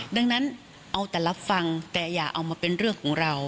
ดังนั้นเอาแต่รับฟังแต่อย่าเอามาเป็นเรื่องของเรา